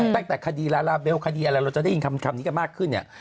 ตั้งแต่คดีลาลาเบลคดีอะไรเราจะได้ยินคำนี้กันมากขึ้นเนี่ย